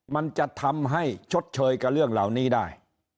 มันจะทำให้ชดเชยกับเรื่องเหล่านี้ได้